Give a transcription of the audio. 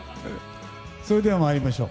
それでは、参りましょう。